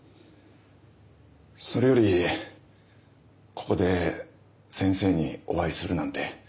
それよりここで先生にお会いするなんて